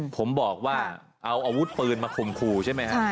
ผมบอกว่าเอาอาวุธปืนมาข่มขู่ใช่ไหมฮะ